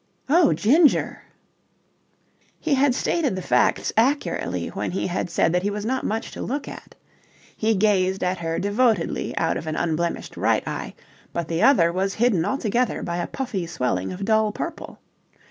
"Oh, Ginger!" He had stated the facts accurately when he had said that he was not much to look at. He gazed at her devotedly out of an unblemished right eye, but the other was hidden altogether by a puffy swelling of dull purple.